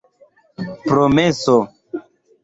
Promeso.